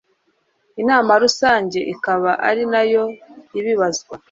inama rusange ikaba ari nayo ibibazwa .